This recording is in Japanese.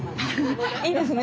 いいですね